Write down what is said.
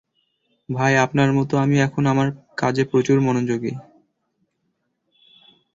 তাই আপনার মত আমি এখন আমার কাজে প্রচুর মনোযোগী।